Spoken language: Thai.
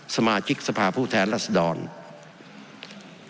สมาชิกสภาพูดแทนรัฐธรรม